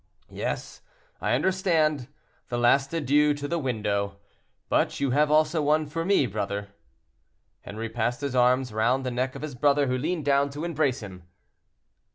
"Yes, I understand; the last adieux to the window; but you have also one for me, brother." Henri passed his arms round the neck of his brother, who leaned down to embrace him.